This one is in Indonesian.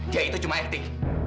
dia itu cuma etik